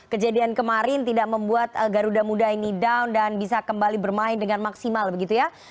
kejadian kemarin tidak membuat garuda muda ini down dan bisa kembali bermain dengan maksimal begitu ya